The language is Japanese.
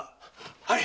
はい。